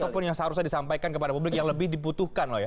ataupun yang seharusnya disampaikan kepada publik yang lebih dibutuhkan loh ya